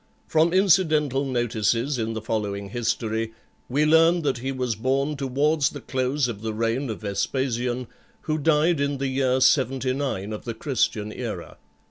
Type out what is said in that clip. From incidental notices in the following History, we learn that he was born towards the close of the reign of Vespasian, who died in the year 79 of the Christian era.